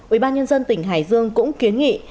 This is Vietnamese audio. ủy ban nhân dân tỉnh hải dương cũng kiến nghị